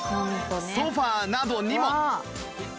ソファなどにも